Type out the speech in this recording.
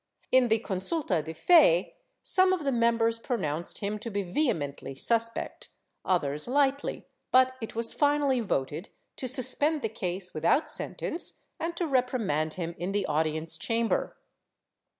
In the consulta de fe, some of the members pronounced him to be vehemently suspect, others lightly, but it was finally voted to suspend the case without sentence and to reprimand him in the audience chamber.